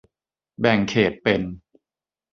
แบ่งเขตเป็น